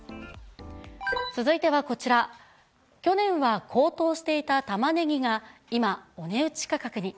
続いてはこちら、去年は高騰していたたまねぎが今、お値打ち価格に。